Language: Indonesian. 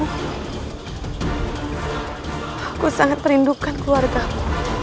aku sangat perlindungan keluargamu